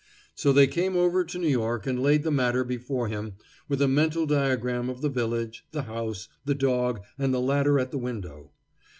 So they came over to New York and laid the matter before him, with a mental diagram of the village, the house, the dog, and the ladder at the window.